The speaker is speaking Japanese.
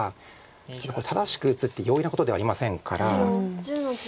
ただこれ正しく打つって容易なことではありませんから。